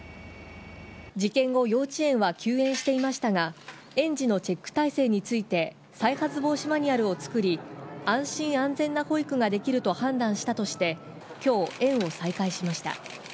事件後、幼稚園は休園していましたが、園児のチェック体制について、再発防止マニュアルを作り、安心安全な保育ができると判断したとして、きょう園を再開しました。